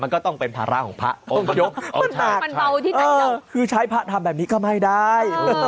มันก็ต้องเป็นภาระของพระองค์คือใช้พระทำแบบนี้ก็ไม่ได้